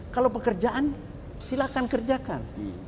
kalau pekerjaan silahkan kerjakan